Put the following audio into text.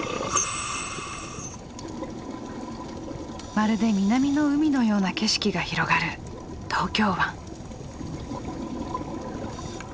まるで南の海のような景色が広がる東京湾。